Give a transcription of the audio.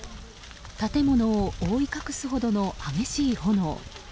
建物を覆い隠すほどの激しい炎。